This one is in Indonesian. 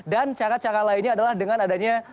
dan cara cara lainnya adalah dengan adanya